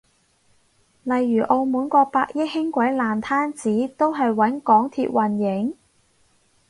例如澳門個百億輕軌爛攤子都係搵港鐵營運？